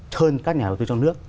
thơn các nhà đầu tư trong nước